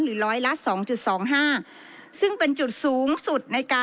หรือ๑๐๒๒๕ซึ่งเป็นจุดสูงสุด